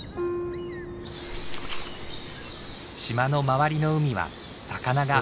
島の周りの海は魚が豊富。